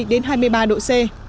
đến hai mươi ba độ c